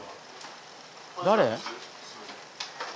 誰？